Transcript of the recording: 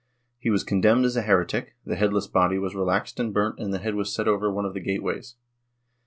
He was condemned as a heretic, the headless body was relaxed and burnt and the head w^as set over one of the gateways.